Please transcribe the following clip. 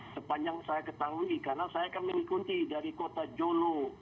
sepanjang saya ketahui karena saya akan mengikuti dari kota jolo